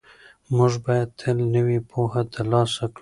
موږ باید تل نوې پوهه ترلاسه کړو.